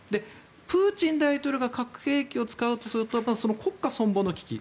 プーチン大統領が核兵器を使うとすれば国家存亡の危機。